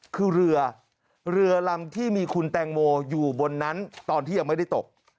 คือเรือเรือลำที่มีคุณแตงโมอยู่บนนั้นตอนที่ยังไม่ได้ตก